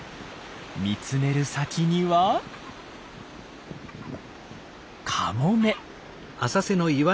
見つめる先にはカモメ。